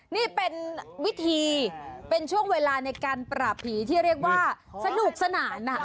นี่เป็นวิธีเป็นช่วงเวลาในการปราบผีที่เรียกว่าสนุกสนาน